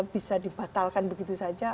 bisa dibatalkan begitu saja